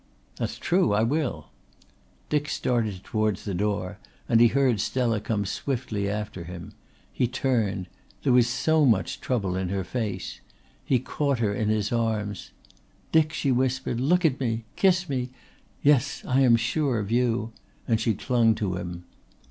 "That's true. I will." Dick started towards the door, and he heard Stella come swiftly after him. He turned. There was so much trouble in her face. He caught her in his arms. "Dick," she whispered, "look at me. Kiss me! Yes, I am sure of you," and she clung to him.